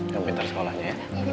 kamu pintar sekolahnya ya